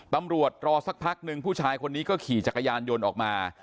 รอสักพักนึงผู้ชายคนนี้ก็ขี่จักรยานยนต์ออกมา